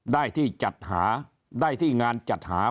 ได้ที่งานจัดหา